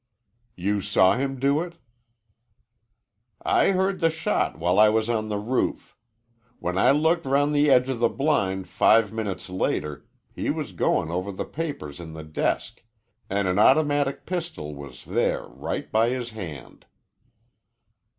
"You saw him do it?" "I heard the shot while I was on the roof. When I looked round the edge of the blind five minutes later, he was goin' over the papers in the desk and an automatic pistol was there right by his hand."